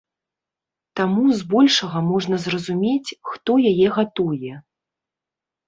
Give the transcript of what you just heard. Таму збольшага можна зразумець, хто яе гатуе.